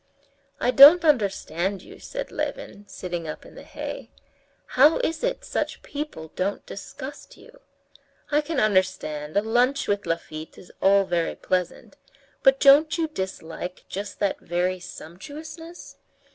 "I don't understand you," said Levin, sitting up in the hay; "how is it such people don't disgust you? I can understand a lunch with Lafitte is all very pleasant, but don't you dislike just that very sumptuousness?